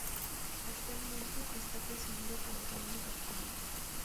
Actualmente está presidido por Orlando Castillo.